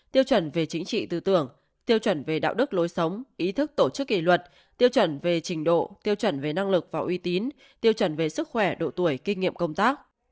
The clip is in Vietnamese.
tiêu chuẩn về chính trị tư tưởng tiêu chuẩn về đạo đức lối sống ý thức tổ chức kỷ luật tiêu chuẩn về trình độ tiêu chuẩn về năng lực và uy tín tiêu chuẩn về sức khỏe độ tuổi kinh nghiệm công tác